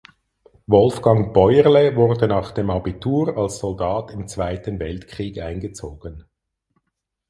Wolfgang Bäuerle wurde nach dem Abitur als Soldat im Zweiten Weltkrieg eingezogen.